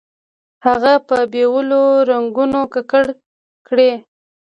هغه په بېلو رنګونو ککړ کړئ.